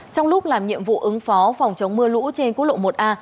trong lúc làm nhiệm vụ ứng phó phòng chống mưa lũ trên quốc lộ một a